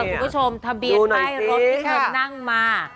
คุณผู้ชมทะเบียนป้ายรถที่เธอนั่งมา